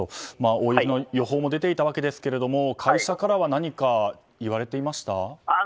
大雪の予報も出ていたわけですが会社からは何か言われていました？